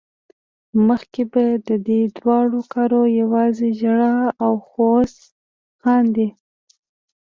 مخکې به ددې دواړو کار يوازې ژړا وه خو اوس خاندي